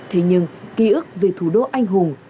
thế nhưng ký ức về thủ đô anh hùng